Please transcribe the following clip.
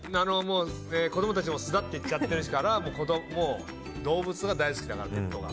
子供たちも巣立っていっちゃっているから動物が大好きだから、ペットが。